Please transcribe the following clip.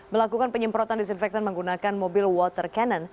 melakukan penyemprotan disinfektan menggunakan mobil water cannon